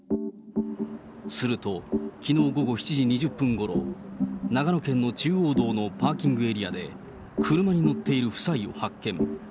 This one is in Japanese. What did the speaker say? すると、きのう午後７時２０分ごろ、長野県の中央道のパーキングエリアで、車に乗っている夫妻を発見。